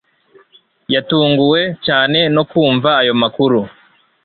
Yatunguwe cyane no kumva ayo makuru